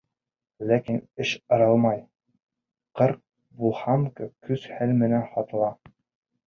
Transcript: Ләкин эш ырамай, ҡырҡ буханка көс-хәл менән һатыла.